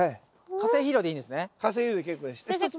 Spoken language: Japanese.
化成肥料でいいんですね？